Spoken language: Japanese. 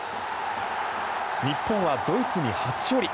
日本はドイツに初勝利。